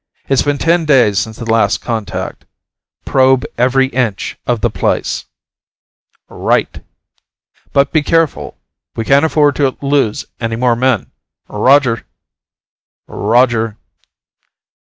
It's been ten days since the last contact. Probe every inch of the place." "Right!" "But be careful. We can't afford to lose any more men! Roger!" "Roger!"